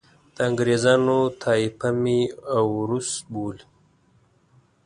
د انګریزانو طایفه مې اوروس بولي.